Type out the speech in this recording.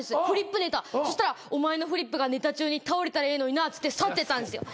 そしたら「お前のフリップがネタ中に倒れたらええのにな」っつって去ってったんですよ。